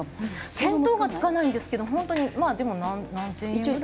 見当がつかないんですけど本当にまあでも何千円ぐらい。